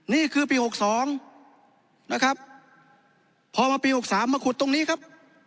นี่คือปีหกสองนะครับพอมาปีหกสามมาขุดตรงนี้ครับ